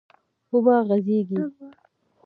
و به غځېږي،